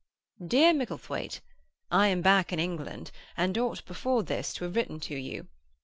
"DEAR MICKLETHWAITE,—I am back in England, and ought before this to have written to you.